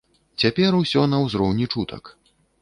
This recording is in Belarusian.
Цяпер ўсё на ўзроўні чутак.